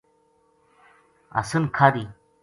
حسن کھاہری